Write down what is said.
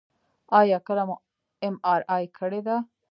ایا کله مو ام آر آی کړې ده؟